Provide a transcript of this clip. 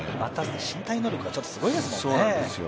身体能力がすごいですもんね。